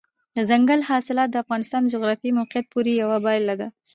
دځنګل حاصلات د افغانستان د جغرافیایي موقیعت پوره یوه پایله ده.